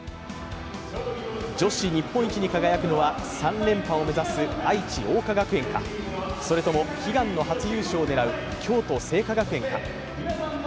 女子日本一に輝くのは３連覇を目指す愛知・桜花学園か、それとも悲願の初優勝を狙う京都精華学園か。